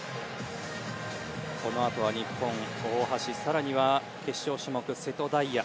このあとは日本、大橋更には決勝種目、瀬戸大也。